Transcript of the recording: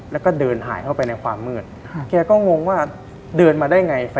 แล้วก็เดินหายเข้าไปในความมืด